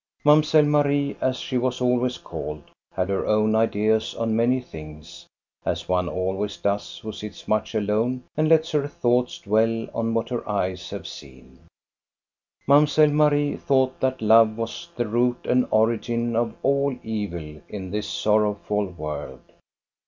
Mamselle Marie, as she was always called, had her own ideas on many things, as one always does who sits much alone and lets her thoughts dwell on what her eyes have seen, Mamselle Marie thought that love was the root and origin of all evil in this sorrowful world.